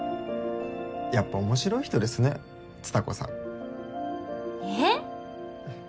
やっぱ面白い人ですね蔦子さん。えっ？ふふっ。